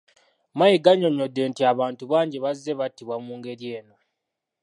Mayiga annyonnyodde nti abantu bangi bazze battibwa mu ngeri eno.